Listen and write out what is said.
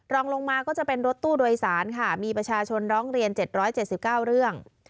รองลงมาก็จะเป็นรถตู้โดยสารค่ะมีประชาชนร้องเรียนเจ็ดร้อยเจ็ดสิบเก้าเรื่อง